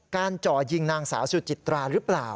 จ่อยิงนางสาวสุจิตราหรือเปล่า